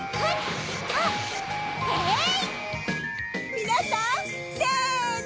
みなさんせの！